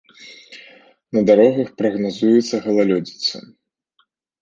На дарогах прагназуецца галалёдзіца.